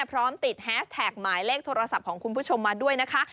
พร้อมติดแฮสแท็กหมายเลขโทรศัพท์ของคุณผู้ชมมาด้วยนะคะ